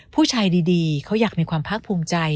ผู้ชายดีเขาอยากมีความภาคภูมิใจ